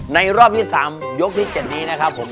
รอบที่๓ยกที่๗นี้นะครับผม